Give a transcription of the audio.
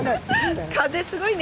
風すごいね！